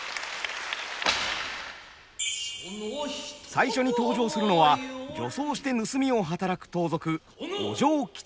最初に登場するのは女装して盗みを働く盗賊お嬢吉三。